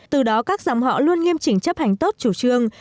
từ đó các dòng họ luôn nghiêm chỉnh chấp hành tốt chủ trương